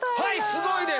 すごいです！